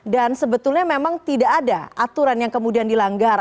dan sebetulnya memang tidak ada aturan yang kemudian dilanggar